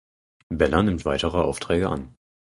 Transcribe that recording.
Bella nimmt weitere Aufträge an.